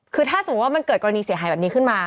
คือถ้าเกิดกรณีเสียหายแบบนี้ขึ้นมา